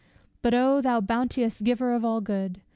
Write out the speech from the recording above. But O! thou bounteous Giver of all good!